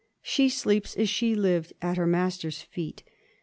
She sleeps as she lived, at her master's feet.